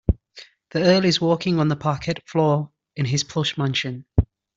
The earl is walking on the parquet floor in his plush mansion.